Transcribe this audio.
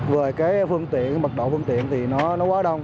về cái phương tiện mật độ phương tiện thì nó quá đông